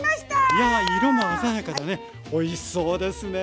いや色が鮮やかでねおいしそうですね。